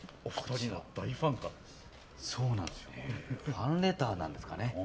ファンレターなんですかね。